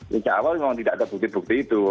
sejak awal memang tidak ada bukti bukti itu